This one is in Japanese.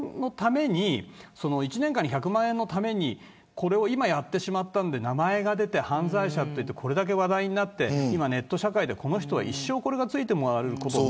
１年間に１００万円のためにこれを今やってしまったので名前が出て犯罪者といってこれだけ話題になって今のネット社会でこの人は一生これがついて回る。